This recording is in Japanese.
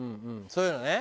そういうのね。